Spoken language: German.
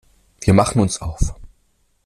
Wir machen uns auf.